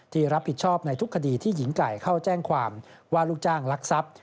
ที่รับผิดชอบในทุกคดีที่หญิงไก่เข้าแจ้งความว่าลูกจ้างลักทรัพย์